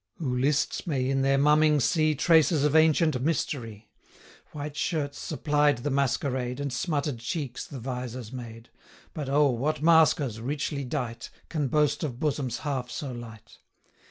Who lists may in their mumming see Traces of ancient mystery; 75 White shirts supplied the masquerade, And smutted cheeks the visors made; But, O! what maskers, richly dight, Can boast of bosoms half so light!